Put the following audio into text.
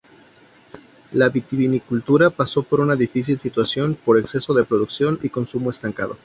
La vitivinicultura pasó por una difícil situación por exceso de producción y consumo estancado.